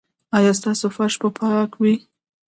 ایا ستاسو فرش به پاک وي؟